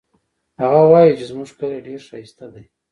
هغه وایي چې زموږ کلی ډېر ښایسته ده